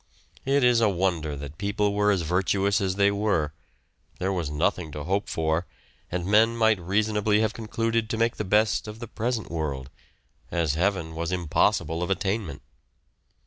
It is a wonder that people were as virtuous as they were: there was nothing to hope for, and men might reasonably have concluded to make the best of the present world, as heaven was impossible of attainment.